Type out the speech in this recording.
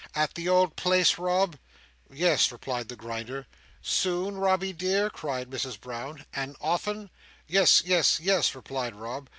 "At the old place, Rob?" "Yes," replied the Grinder. "Soon, Robby dear?" cried Mrs Brown; "and often?" "Yes. Yes. Yes," replied Rob.